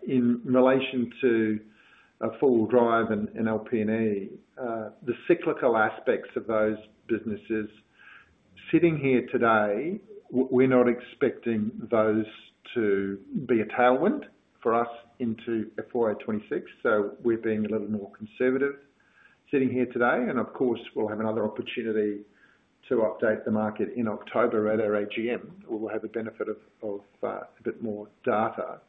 In relation to 4WD and LP&E, the cyclical aspects of those businesses sitting here today, we're not expecting those to be a tailwind for us into FY 2026. We're being a little more conservative sitting here today. Of course, we'll have another opportunity to update the market in October at our AGM. We'll have a benefit of a bit more data.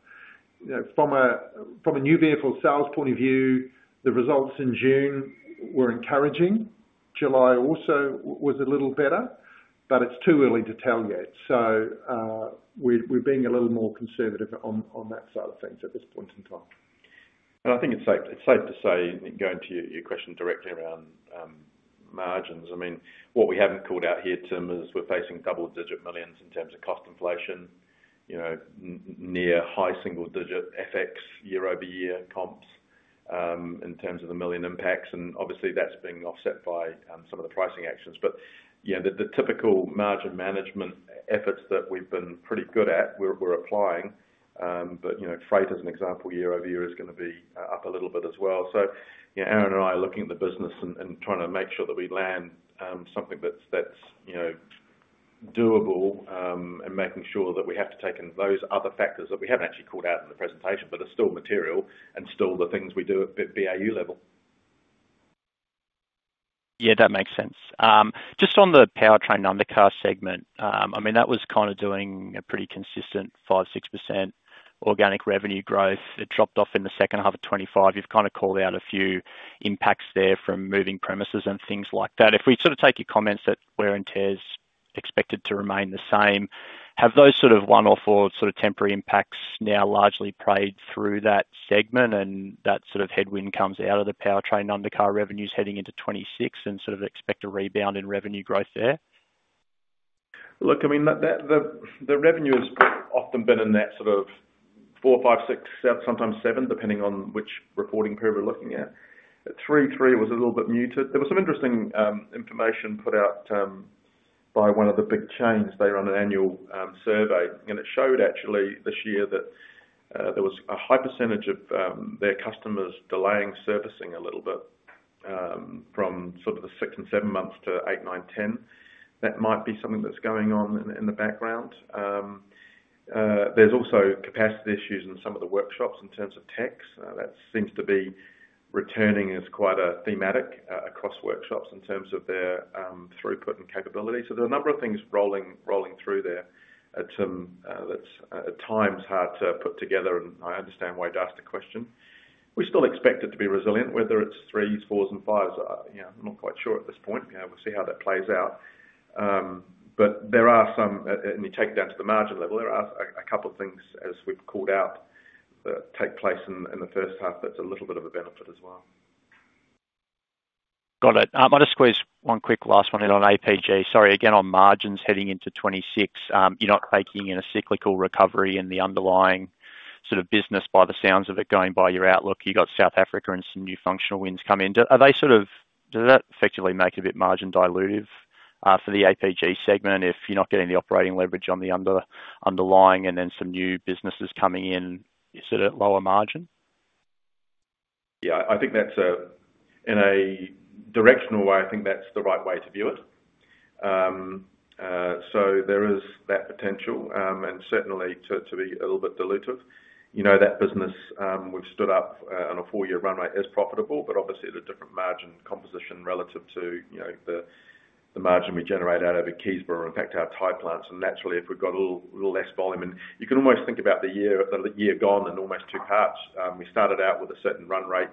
From a new vehicle sales point of view, the results in June were encouraging. July also was a little better, but it's too early to tell yet. We're being a little more conservative on that side of things at this point in time. I think it's safe to say, going to your question directly around margins, what we haven't called out here, Tim, is we're facing double-digit millions in terms of cost inflation, near high single-digit FX year-over-year comps in terms of the million impacts. Obviously, that's being offset by some of the pricing actions. The typical margin management efforts that we've been pretty good at, we're applying. Freight, as an example, year-over-year is going to be up a little bit as well. Aaron and I are looking at the business and trying to make sure that we land something that's doable and making sure that we have to take in those other factors that we haven't actually called out in the presentation, but are still material and still the things we do at BAU level. Yeah, that makes sense. Just on the Powertrain Undercar segment, I mean, that was kind of doing a pretty consistent 5%, 6% organic revenue growth. It dropped off in the second half of 2025. You've kind of called out a few impacts there from moving premises and things like that. If we sort of take your comments that wear and tear is expected to remain the same, have those sort of one-off or sort of temporary impacts now largely played through that segment, and that sort of headwind comes out of the Powertrain Undercar revenues heading into 2026 and sort of expect a rebound in revenue growth there? Look, the revenue has often been in that sort of 4 million, 5 million, 6 million, sometimes 7 million, depending on which reporting period we're looking at. At 2023, it was a little bit muted. There was some interesting information put out by one of the big chains. They run an annual survey, and it showed actually this year that there was a high percentage of their customers delaying servicing a little bit from sort of the six and seven months to eight, nine, 10. That might be something that's going on in the background. There's also capacity issues in some of the workshops in terms of techs. That seems to be returning as quite a thematic across workshops in terms of their throughput and capability. There are a number of things rolling through there at times that's hard to put together, and I understand why you'd ask the question. We still expect it to be resilient, whether it's threes, fours, and fives. I'm not quite sure at this point. We'll see how that plays out. There are some, and you take it down to the margin level, there are a couple of things, as we've called out, that take place in the first half that's a little bit of a benefit as well. Got it. I'll just squeeze one quick last one in on APG. Sorry, again on margins heading into 2026, you're not taking in a cyclical recovery in the underlying sort of business. By the sounds of it going by your outlook, you've got South Africa and some new functional wins coming in. Do they sort of, does that effectively make it a bit margin dilutive for the APG segment if you're not getting the operating leverage on the underlying and then some new businesses coming in, is it a lower margin? Yeah, I think that's a, in a directional way, I think that's the right way to view it. There is that potential and certainly to be a little bit dilutive. You know, that business we've stood up on a four-year runway is profitable, but obviously at a different margin composition relative to, you know, the margin we generate out of it. Keysborough, in fact, our Thai plants, and naturally if we've got a little less volume, you can almost think about the year gone and almost two parts. We started out with a certain run rate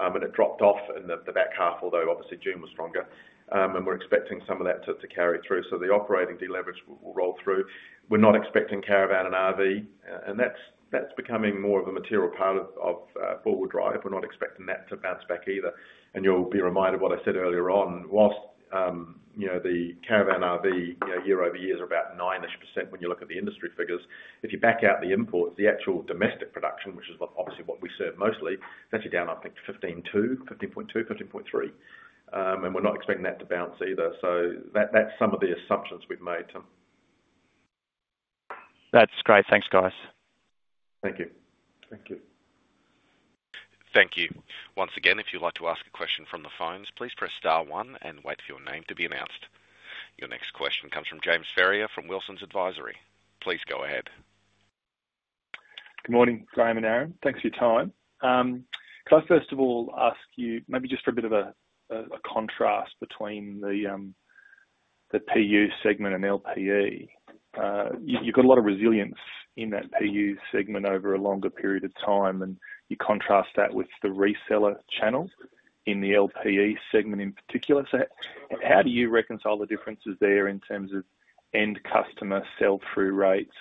and it dropped off in the back half, although June was stronger, and we're expecting some of that to carry through. The operating deleverage will roll through. We're not expecting caravan and RV, and that's becoming more of a material part of four-wheel drive. We're not expecting that to bounce back either. You'll be reminded of what I said earlier on, whilst the caravan RV year-over-year is about 9%-ish when you look at the industry figures. If you back out the imports, the actual domestic production, which is obviously what we serve mostly, it's actually down, I think 15.2%, 15.3%, and we're not expecting that to bounce either. That's some of the assumptions we've made, Tim. That's great. Thanks, guys. Thank you. Thank you. Thank you. Once again, if you'd like to ask a question from the phones, please press star one and wait for your name to be announced. Your next question comes from James Ferrier from Wilsons Advisory. Please go ahead. Good morning, Graeme and Aaron. Thanks for your time. Could I first of all ask you maybe just for a bit of a contrast between the PU segment and LP&E? You've got a lot of resilience in that PU segment over a longer period of time, and you contrast that with the reseller channel in the LP&E segment in particular. How do you reconcile the differences there in terms of end customer sell-through rates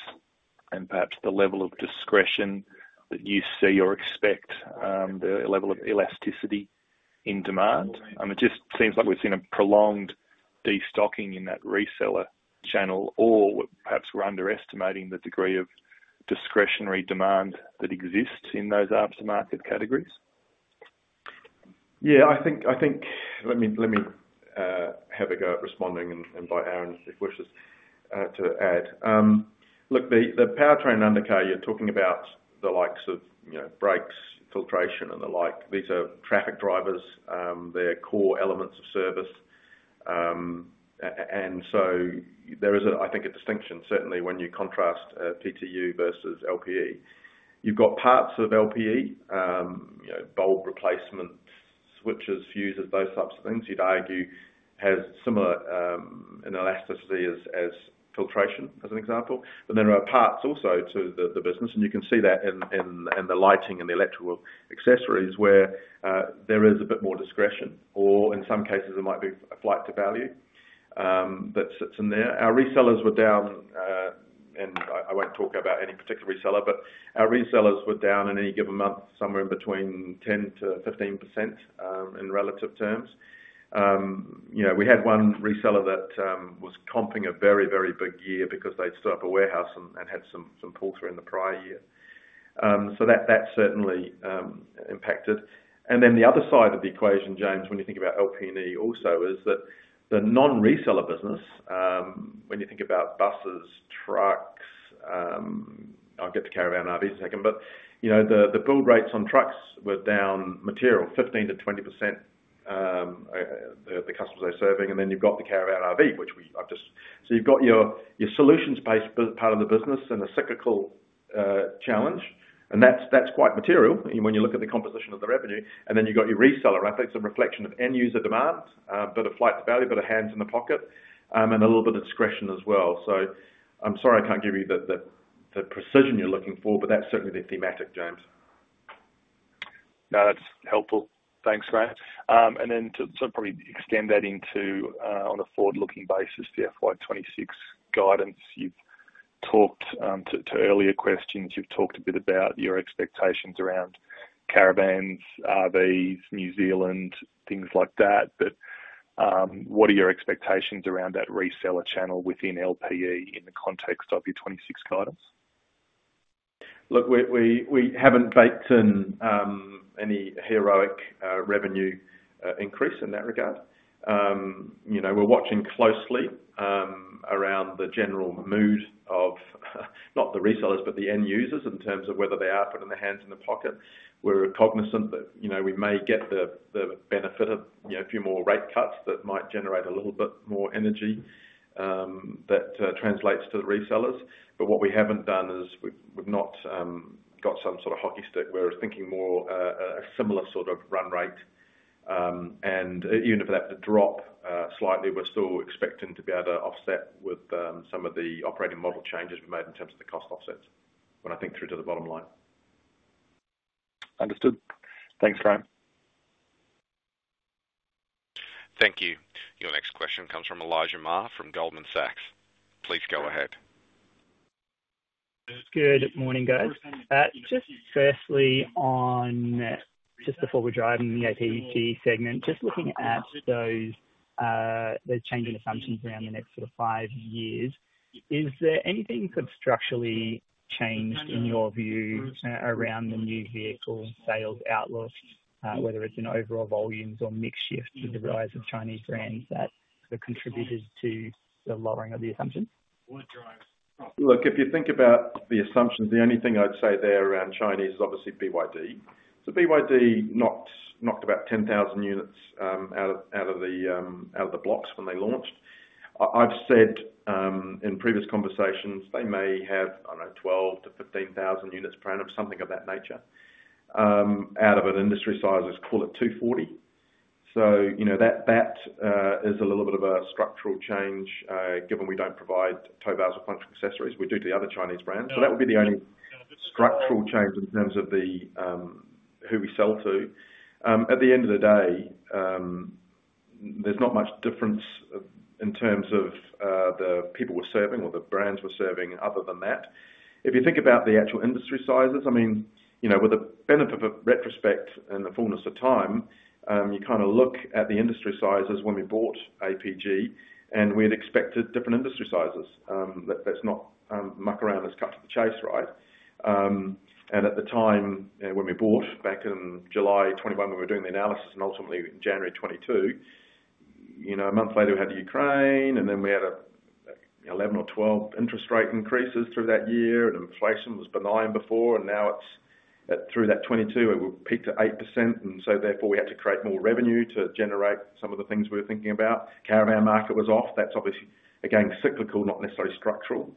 and perhaps the level of discretion that you see or expect the level of elasticity in demand? It just seems like we've seen a prolonged destocking in that reseller channel, or perhaps we're underestimating the degree of discretionary demand that exists in those aftermarket categories? Yeah, I think, let me have a go at responding and invite Aaron if he wishes to add. Look, the Powertrain Undercar, you're talking about the likes of brakes, filtration, and the like. These are traffic drivers. They're core elements of service. There is, I think, a distinction certainly when you contrast PTU versus LP&E. You've got parts of LP&E, bulb replacement, switches, fuses, those types of things. You'd argue it has similar elasticity as filtration as an example. There are parts also to the business, and you can see that in the lighting and the electrical accessories where there is a bit more discretion, or in some cases it might be a flight to value that sits in there. Our resellers were down, and I won't talk about any particular reseller, but our resellers were down in any given month somewhere in between 10%-15% in relative terms. We had one reseller that was comping a very, very big year because they'd stood up a warehouse and had some pull-through in the prior year. That certainly impacted. The other side of the equation, James, when you think about LP&E also is that the non-reseller business, when you think about buses, trucks, I'll get to caravan RVs in a second, but the build rates on trucks were down material, 15%-20% the customers they're serving. Then you've got the caravan RV, which we've just, so you've got your solutions-based part of the business and a cyclical challenge, and that's quite material when you look at the composition of the revenue. You've got your reseller, I think it's a reflection of end-user demand, a bit of flight to value, a bit of hands in the pocket, and a little bit of discretion as well. I'm sorry I can't give you the precision you're looking for, but that's certainly the thematic, James. No, that's helpful. Thanks, Graeme. To probably extend that on a forward-looking basis, the FY 2026 guidance, you've talked to earlier questions, you've talked a bit about your expectations around caravans, RVs, New Zealand, things like that. What are your expectations around that reseller channel within LP&E in the context of your 2026 guidance? Look, we haven't baked in any heroic revenue increase in that regard. We're watching closely around the general mood of not the resellers, but the end users in terms of whether they are putting their hands in the pocket. We're cognizant that we may get the benefit of a few more rate cuts that might generate a little bit more energy that translates to the resellers. What we haven't done is we've not got some sort of hockey stick. We're thinking more a similar sort of run rate. Even if that drops slightly, we're still expecting to be able to offset with some of the operating model changes we made in terms of the cost offsets, when I think through to the bottom line. Understood. Thanks, Graeme. Thank you. Your next question comes from Elijah Mayr from Goldman Sachs. Please go ahead. Good morning, guys. Firstly, before we dive into the APG segment, just looking at those changes in assumptions around the next sort of five years, is there anything structurally changed in your view around the new vehicle sales outlook, whether it's in overall volumes or mix shifts with the rise of Chinese brands that have contributed to the lowering of the assumption? Look, if you think about the assumptions, the only thing I'd say there around Chinese is obviously BYD. BYD knocked about 10,000 units out of the blocks when they launched. I've said in previous conversations they may have, I don't know, 12,000-15,000 units per annum, something of that nature, out of an industry size, let's call it 240,000. That is a little bit of a structural change given we don't provide tow valves or functional accessories. We do to the other Chinese brands. That would be the only structural change in terms of who we sell to. At the end of the day, there's not much difference in terms of the people we're serving or the brands we're serving other than that. If you think about the actual industry sizes, with the benefit of retrospect and the fullness of time, you kind of look at the industry sizes when we bought APG and we had expected different industry sizes. Let's not muck around, it's cut to the chase, right? At the time when we bought back in July 2021, when we were doing the analysis and ultimately in January 2022, a month later we had Ukraine and then we had 11% or 12% interest rate increases through that year and inflation was benign before. Now it's through that 2022, we've peaked at 8% and therefore we had to create more revenue to generate some of the things we were thinking about. Caravan market was off, that's obviously again cyclical, not necessarily structural.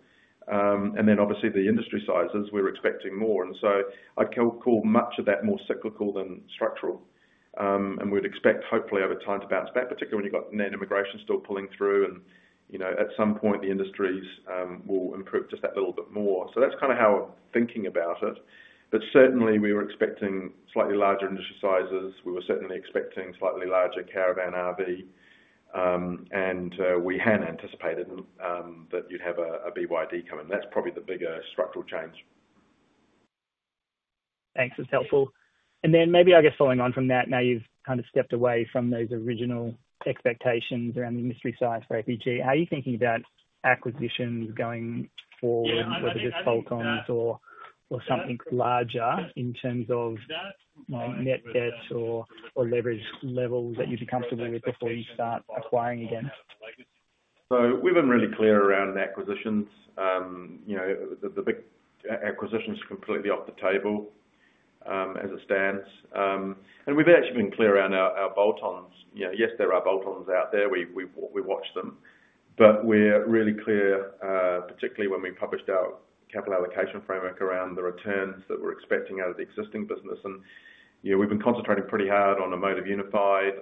Obviously the industry sizes we're expecting more. I'd call much of that more cyclical than structural. We'd expect hopefully over time to bounce back, particularly when you've got net immigration still pulling through and at some point the industries will improve just that little bit more. That's kind of how we're thinking about it. Certainly we were expecting slightly larger industry sizes, we were certainly expecting slightly larger caravan RV, and we hadn't anticipated that you'd have a BYD coming. That's probably the bigger structural change. Thanks, that's helpful. Maybe I guess following on from that, now you've kind of stepped away from those original expectations around the industry size for APG. How are you thinking about acquisitions going forward, whether there's Fultons or something larger in terms of net debt or leverage levels that you'd be comfortable with before you start acquiring again? We have been really clear around the acquisitions. The big acquisitions are completely off the table as it stands. We have actually been clear around our bolt-ons. Yes, there are bolt-ons out there, we watch them. We are really clear, particularly when we published our capital allocation framework, around the returns that we are expecting out of the existing business. We have been concentrating pretty hard on Amotiv Unified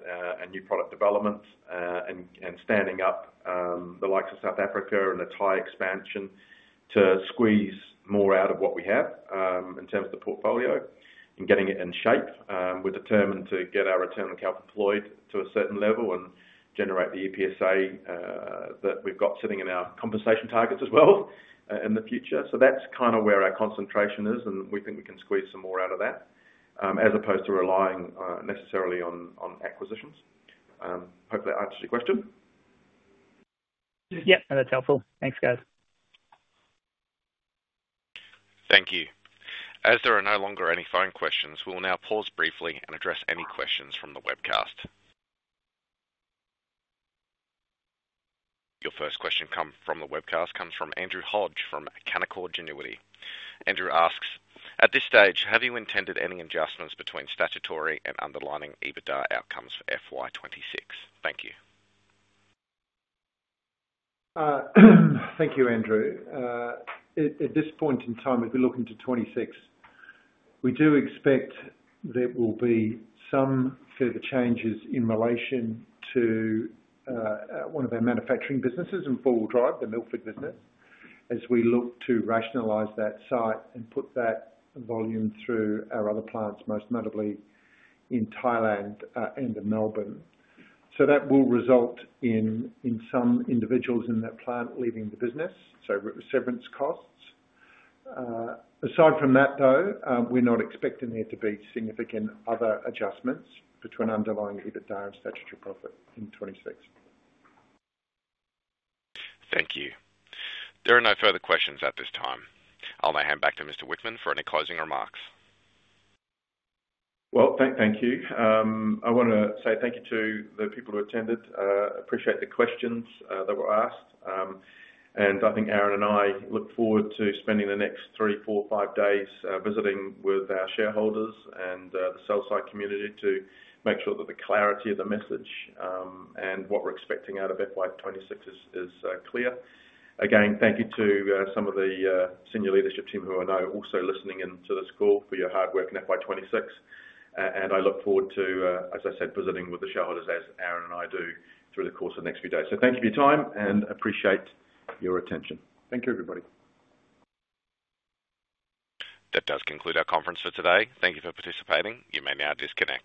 and new product development and standing up the likes of South Africa and the Thai expansion to squeeze more out of what we have in terms of the portfolio and getting it in shape. We are determined to get our return on capital employed to a certain level and generate the EPSA that we have got sitting in our compensation targets as well in the future. That is where our concentration is and we think we can squeeze some more out of that as opposed to relying necessarily on acquisitions. Hopefully that answers your question. Yeah, that's helpful. Thanks, guys. Thank you. As there are no longer any phone questions, we'll now pause briefly and address any questions from the webcast. Your first question comes from the webcast, from Andrew Hodge from Canaccord Genuity. Andrew asks, at this stage, have you intended any adjustments between statutory and underlying EBITDA outcomes for FY 2026? Thank you. Thank you, Andrew. At this point in time, if we look into 2026, we do expect there will be some further changes in relation to one of our manufacturing businesses and 4WD, the Milford business, as we look to rationalize that site and put that volume through our other plants, most notably in Thailand and in Melbourne. That will result in some individuals in that plant leaving the business, so severance costs. Aside from that, we're not expecting there to be significant other adjustments between underlying EBITDA and statutory profit in 2026. Thank you. There are no further questions at this time. I'll now hand back to Mr. Whickman for any closing remarks. Thank you. I want to say thank you to the people who attended. I appreciate the questions that were asked. I think Aaron and I look forward to spending the next three, four, five days visiting with our shareholders and the sell-side community to make sure that the clarity of the message and what we're expecting out of FY 2026 is clear. Thank you to some of the Senior Leadership Team who I know are also listening in to this call for your hard work in FY 2026. I look forward to, as I said, visiting with the shareholders as Aaron and I do through the course of the next few days. Thank you for your time and appreciate your attention. Thank you, everybody. That does conclude our conference for today. Thank you for participating. You may now disconnect.